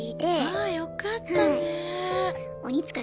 ああよかったね。